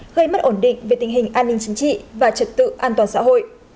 gây mất ổn định về tình hình an ninh chính trị và trật tự an toàn xã hội